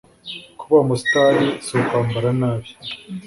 Kuba umustar si ukwambara nabi